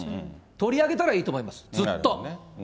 取り上げたらいいと思います、ずっと。